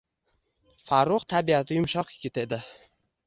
Farrux tabiati yumshoq yigit edi.